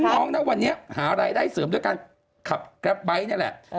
น้องนะวันนี้หารายได้เสริมด้วยการขับแกรปไบท์นี่แหละ